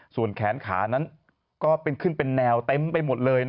ส่วนแขนขานั้นก็เป็นขึ้นเป็นแนวเต็มไปหมดเลย